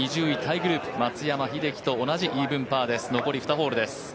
２０位タイグループ松山英樹と同じイーブンパーです。